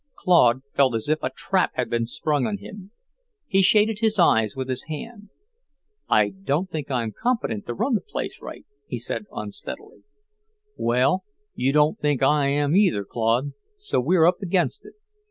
Claude felt as if a trap had been sprung on him. He shaded his eyes with his hand. "I don't think I'm competent to run the place right," he said unsteadily. "Well, you don't think I am either, Claude, so we're up against it.